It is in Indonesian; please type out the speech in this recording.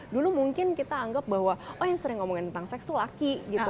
dulu mungkin kita anggap bahwa oh yang sering ngomongin tentang seks tuh laki gitu